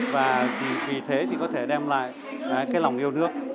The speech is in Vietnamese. và vì thế có thể đem lại lòng yêu thương